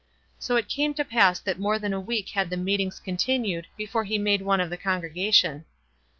So it came to pass that more than a week had the meetings continued before he made one of the congregation.